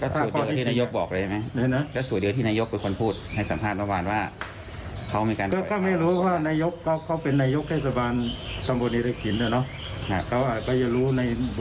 ตำรวจก็ต้องเชิงลึก